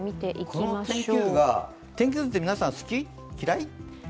この天気図が、天気図って皆さん好き？嫌い？